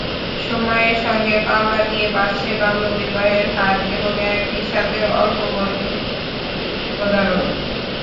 সময়ের সঙ্গে পাল্লা দিয়ে বাড়ছে বাল্যবিবাহের হার এবং একই সাথে অল্পবয়সে গর্ভধারণ।